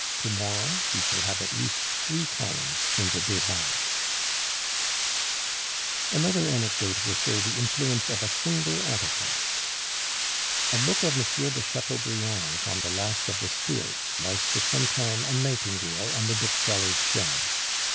To morrow we shall have at least three columns in the Debats." Another anecdote will show the influence of a single article. A book of M. de Chateaubriand's on the last of the Stuarts was for some time a "nightingale" on the bookseller's shelves.